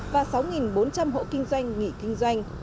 và sáu bốn trăm linh hộ kinh doanh nghỉ kinh doanh